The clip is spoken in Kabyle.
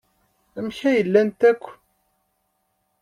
Amek ay llant akk?